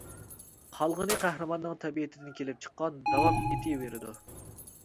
قالغىنى قەھرىمانىنىڭ تەبىئىتىدىن كېلىپ چىقىپ داۋام ئېتىۋېرىدۇ.